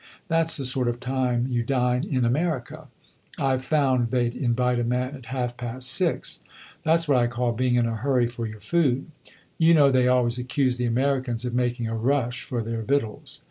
That 's the sort of time you dine in America. I found they 'd invite a man at half past six. That 's what I call being in a hurry for your food. You know they always accuse the Americans of making a rush for their victuals.